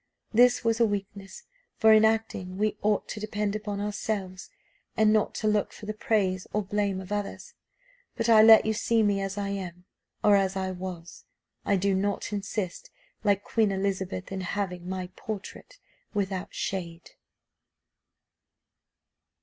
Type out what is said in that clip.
This was a weakness, for in acting we ought to depend upon ourselves, and not to look for the praise or blame of others; but I let you see me as I am, or as I was: I do not insist, like Queen Elizabeth, in having my portrait without shade."